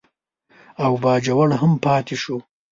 او باجوړ هم پاتې شو.